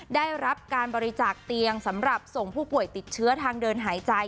ได้รับการบริจาคเตียงสำหรับส่งผู้ป่วยติดเชื้อทางเดินหายใจ